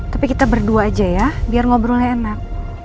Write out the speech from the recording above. tapi kita berdua aja ya biar ngobrolnya enak